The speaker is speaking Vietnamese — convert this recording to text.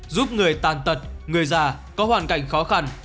giúp người tàn tật người già có hoàn cảnh khó khăn